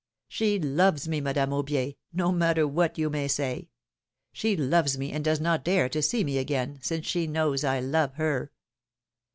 She loves me, Madame Aubier, no matter what you may say. She loves me, and does not dare to see me again, since she knows I love her.